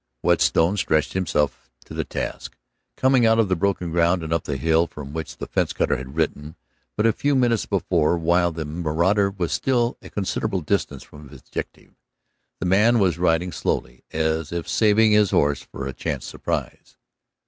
Whetstone stretched himself to the task, coming out of the broken ground and up the hill from which the fence cutter had ridden but a few minutes before while the marauder was still a considerable distance from his objective. The man was riding slowly, as if saving his horse for a chance surprise.